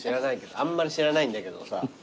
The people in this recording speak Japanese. あんまり知らないんだけどさ。